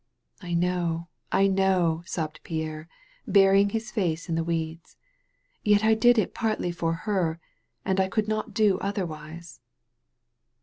''I know, I know," sobbed Pierre, burying his face in the weeds. "Yet I did it partly for her, and I could not do otherwise."